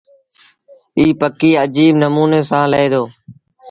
ايٚ پکي اجيب نموٚني سآݩ لهي دو۔